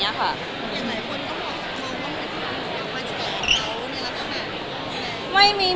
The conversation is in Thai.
อย่างหลายคนต้องออกสักครองบ้างนะครับเพราะว่ามันจะออกเก่าเนื้อต่างแหละ